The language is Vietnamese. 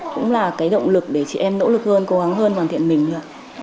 cũng là cái động lực để chị em nỗ lực hơn cố gắng hơn hoàn thiện mình được